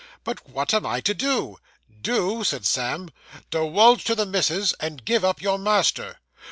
But what am I to do?' 'Do!' said Sam; 'di wulge to the missis, and give up your master.